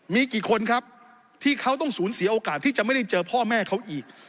มีกี่คนครับที่เขาต้องสูญเสียโอกาสที่จะไม่ได้เจอพ่อแม่เขาอีก